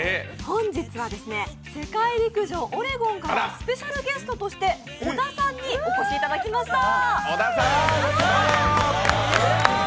本日は世界陸上オレゴンからスペシャルゲストとしておださんにお越しいただきました！